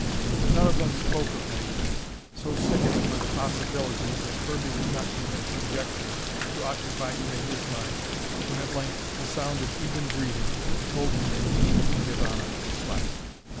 But none of them spoke of Naida. So sickening were the possibilities that Kirby would not permit conjecture to occupy even his mind when, at length, the sound of even breathing told him that Nini and Ivana slept.